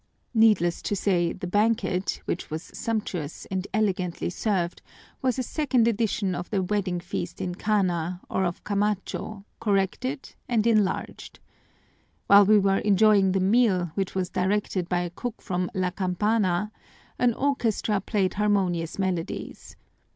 Needless to say, the banquet, which was sumptuous and elegantly served, was a second edition of the wedding feast in Cana, or of Camacho, corrected and enlarged. While we were enjoying the meal, which was directed by a cook from 'La Campana,' an orchestra played harmonious melodies.